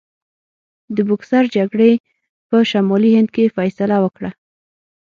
د بوکسر جګړې په شمالي هند کې فیصله وکړه.